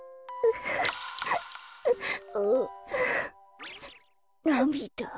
あ。なみだ？